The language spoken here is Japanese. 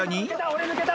俺抜けた。